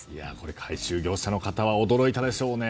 回収業者の方は驚いたでしょうね。